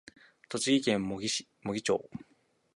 栃木県茂木町